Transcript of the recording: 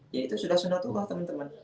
ya itu sudah sunnah tuhan teman teman